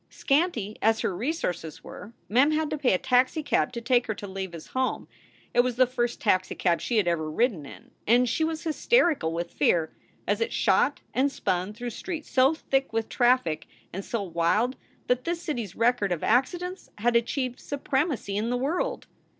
Scanty as her resources were, Mem had to pay a taxi cab to take her to Leva s home. It was the first taxicab she had ever ridden in, and she was hysterical with fear as it shot and spun through streets so thick with traffic and so wild that this city s record of accidents had achieved supremacy in the world.